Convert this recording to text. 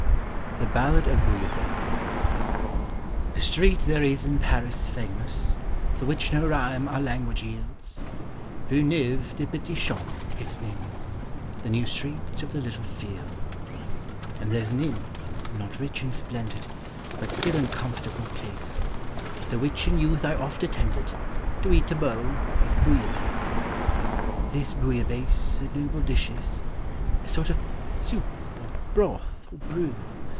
THE BALLAD OF BOUILLABAISSE. A street there is in Taris famous, For which no rhyme our language yields, Rue Xcuve des Petits Champs its name is — The New Street of the Little Fields; And there's an inn, not rich and splendid, But still in comfortable case — The which in youth I oft attended, To eat a bowl of Bouillabaisse. This Bouillabaisse a noble dish is — A sort of soup, or broth, or brew.